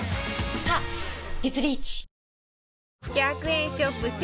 １００円ショップ